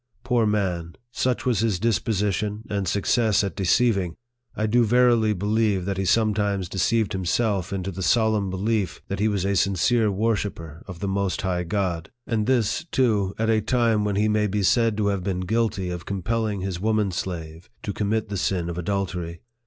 Poor man ! such was his disposition, and success at deceiving, I do verily believe that he sometimes deceived himself into the solemn belief, that he was a sincere wor shipper of the most high God ; and this, too, at a time when he may be said to have been guilty of compelling his woman slave to commit the sin of adultery.